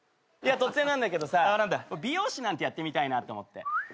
突然なんだけどさ美容師なんてやってみたいなと思って。